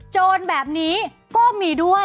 โจรแบบนี้ก็มีด้วย